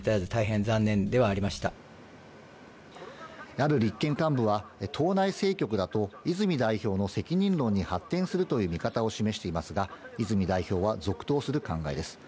ある立憲幹部は党内政局だと、泉代表の責任論に発展するという見方を示していますが、泉代表は続投する考えです。